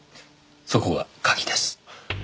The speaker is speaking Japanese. そこが鍵です。